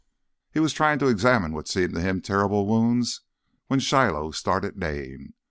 He was trying to examine what seemed to him terrible wounds, when Shiloh started neighing.